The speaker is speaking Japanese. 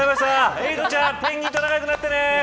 エイトちゃんペンギンと仲良くなってね。